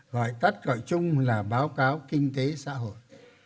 gọi tắt gọi chung là báo cáo kinh tế xã hội